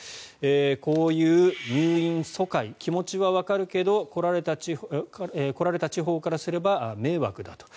こういう入院疎開気持ちはわかるけど来られた地方からすれば迷惑だと。